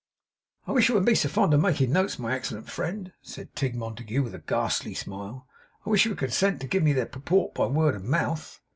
'I wish you wouldn't be so fond of making notes, my excellent friend,' said Tigg Montague with a ghastly smile. 'I wish you would consent to give me their purport by word of mouth.